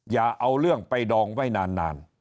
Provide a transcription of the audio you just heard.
อย่าเอาเรื่องไปดองไว้นาน